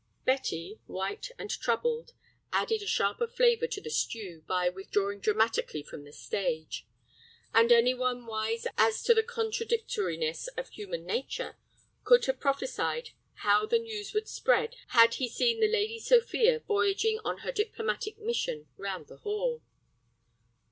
Betty, white and troubled, added a sharper flavor to the stew by withdrawing dramatically from the stage. And any one wise as to the contradictoriness of human nature could have prophesied how the news would spread had he seen the Lady Sophia voyaging on her diplomatic mission round the hall.